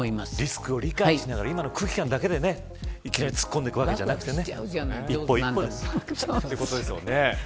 リスクを理解しながら今の空気感だけでいきなり突っ込んでいくわけじゃなくてね。